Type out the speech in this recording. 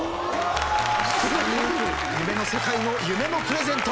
夢の世界の夢のプレゼント。